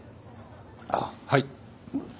あっはい。